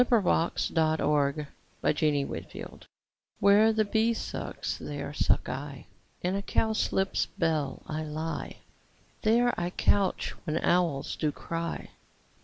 Fairy Land iv WHERE the bee sucks, there suck I: In a cowslip's bell I lie; There I couch when owls do cry.